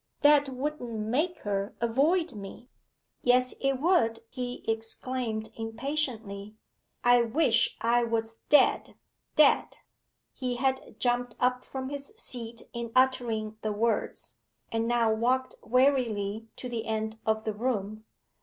'That wouldn't make her avoid me.' 'Yes it would,' he exclaimed impatiently. 'I wish I was dead dead!' He had jumped up from his seat in uttering the words, and now walked wearily to the end of the room.